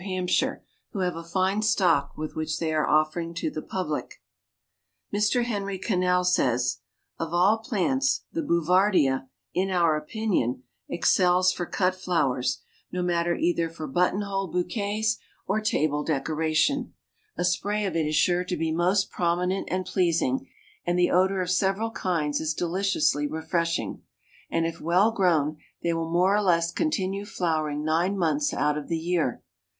H., who have a fine stock which they are offering to the public. Mr. Henry Cannell says, "Of all plants the Bouvardia, in our opinion, excels for cut flowers, no matter either for button hole bouquets or table decoration; a spray of it is sure to be most prominent and pleasing, and the odor of several kinds is deliciously refreshing, and if well grown they will more or less continue flowering nine months out of the year.